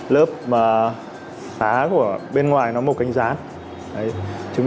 lớp xá của bên ngoài nó màu cánh rán